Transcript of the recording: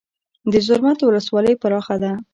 د زرمت ولسوالۍ پراخه ده